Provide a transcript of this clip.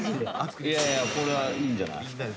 これはいいんじゃない？